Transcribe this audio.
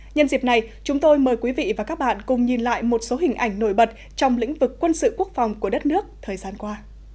nhân dịp này chúng tôi mời quý vị và các bạn cùng nhìn lại một số hình ảnh nổi bật trong lĩnh vực quân sự quốc phòng của đất nước thời gian qua